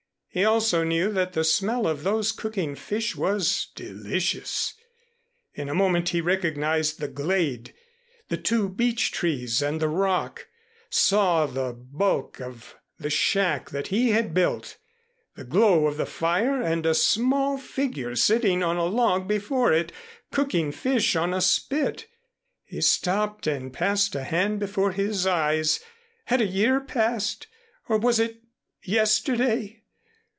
He also knew that the smell of those cooking fish was delicious. In a moment he recognized the glade, the two beech trees and the rock, saw the bulk of the shack that he had built, the glow of the fire and a small figure sitting on a log before it, cooking fish on a spit. He stopped and passed a hand before his eyes. Had a year passed? Or was it yesterday?